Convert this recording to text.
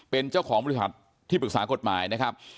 เป็นเจ้าของบริษัทที่ปรึกษากฎหมายนะครับ